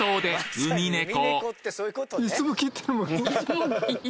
ウミネコ。